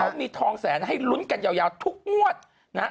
เขามีทองแสนให้ลุ้นกันยาวทุกงวดนะฮะ